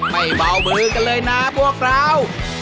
ไม่เบามือกันเลยนะพวกเรา